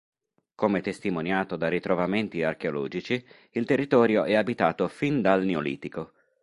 Come testimoniato da ritrovamenti archeologici, il territorio è abitato fin dal neolitico.